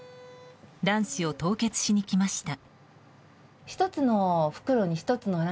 卵子を凍結しに来ました。